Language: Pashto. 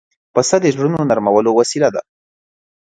پسه د زړونو نرمولو وسیله ده.